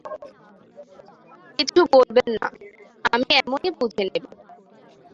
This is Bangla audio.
কিছু বলবেন না, আমি এমনি বুঝে নেব।